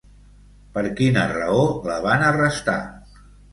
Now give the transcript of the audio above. Per quina raó la van arrestar?